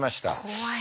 怖い。